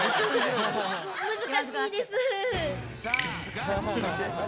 難しいです。